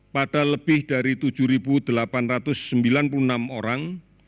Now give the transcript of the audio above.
pada lebih dari tujuh delapan ratus sembilan puluh enam orang